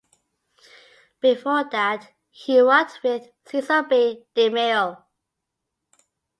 Before that, he worked with Cecil B. DeMille.